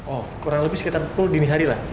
oh kurang lebih sekitar pukul dini hari lah